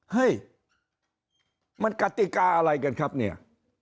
เฮ้ยมันกติกาอะไรกันครับเนี่ย